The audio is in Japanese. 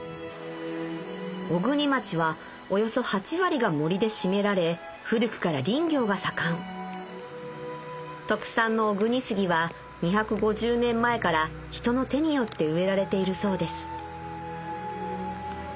小国町はおよそ８割が森で占められ古くから林業が盛ん特産の小国杉は２５０年前から人の手によって植えられているそうです